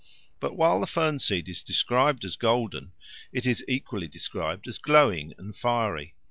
But while the fern seed is described as golden, it is equally described as glowing and fiery.